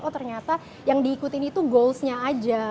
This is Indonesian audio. oh ternyata yang diikutin itu goals nya aja